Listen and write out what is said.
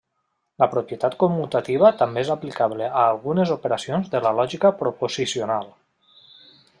La propietat commutativa també és aplicable a algunes operacions de la lògica proposicional.